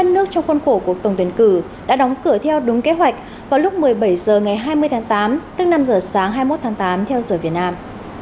đất nước trong khuôn khổ cuộc tổng tuyển cử đã đóng cửa theo đúng kế hoạch vào lúc một mươi bảy h ngày hai mươi tháng tám tức năm h sáng hai mươi một tháng tám theo giờ việt nam